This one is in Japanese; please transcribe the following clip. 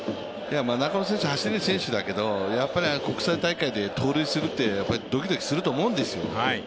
中野選手、走れる選手だけど国際大会で盗塁するってドキドキすると思うんですよ。